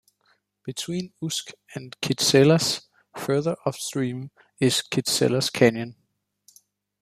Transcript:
Between Usk and Kitselas, further upstream, is Kitselas Canyon.